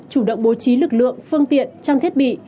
chủ động bố trí lực lượng phương tiện trang thiết bị